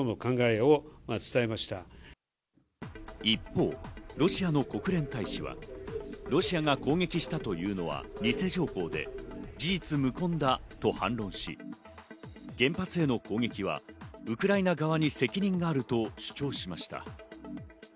一方、ロシアの国連大使は、ロシアが攻撃したというのは偽情報で事実無根だと反論し、原発への攻撃はウクライナ側に責任があると主張しました。